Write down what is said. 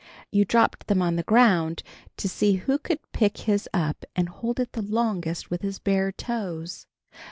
You dropped them on the ground to see who could pick his up and hold it the longest with his bare toes.